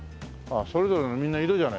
それぞれのみんな色じゃない。